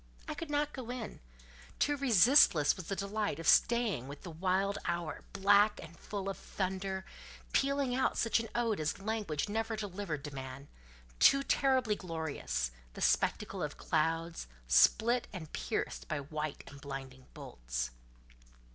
I could not go in: too resistless was the delight of staying with the wild hour, black and full of thunder, pealing out such an ode as language never delivered to man—too terribly glorious, the spectacle of clouds, split and pierced by white and blinding bolts.